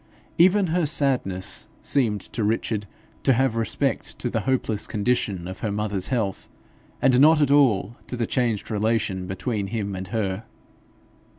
Even her sadness seemed to Richard to have respect to the hopeless condition of her mother's health, and not at all to the changed relation between him and her.